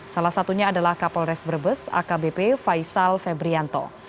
salah satunya adalah kapolres brebes akbp faisal febrianto